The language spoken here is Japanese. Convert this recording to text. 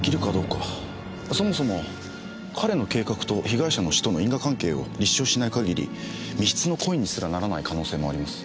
そもそも彼の計画と被害者の死との因果関係を立証しない限り未必の故意にすらならない可能性もあります。